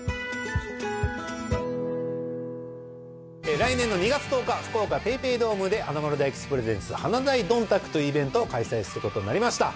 来年の２月１０日福岡ＰａｙＰａｙドームで「華丸・大吉ｐｒｅｓｅｎｔｓ華大どんたく」というイベントを開催することになりました